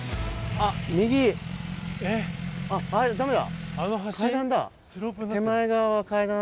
あっダメだ。